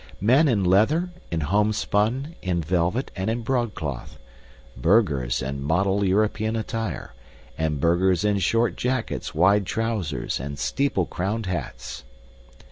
Men in leather, in homespun, in velvet, and in broadcloth; burghers in model European attire, and burghers in short jackets, wide trousers, and steeple crowned hats.